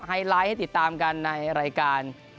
ไลท์ให้ติดตามกันในรายการ